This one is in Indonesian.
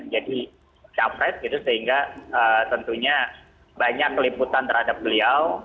jadi capres gitu sehingga tentunya banyak keliputan terhadap beliau